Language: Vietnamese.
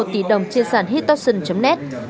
một mươi sáu một tỷ đồng trên sàn hittoxin net